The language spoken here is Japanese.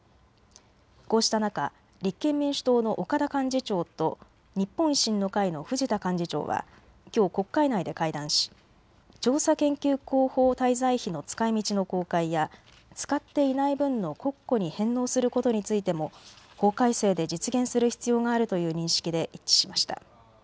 こうした中、立憲民主党の岡田幹事長と日本維新の会の藤田幹事長はきょう国会内で会談し、調査研究広報滞在費の使いみちの公開や使っていない分を国庫に返納することについても法改正で実現する必要があるという認識で一致しました。